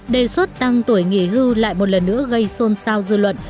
đề xuất tăng tuổi nghỉ hưu lại một lần nữa gây xôn xao dư luận